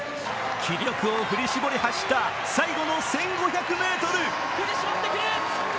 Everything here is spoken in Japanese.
気力を振り絞り走った最後の１５００ｍ。